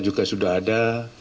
juga sudah ada